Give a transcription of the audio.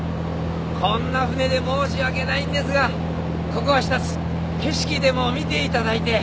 こんな船で申し訳ないんですがここはひとつ景色でも見ていただいて。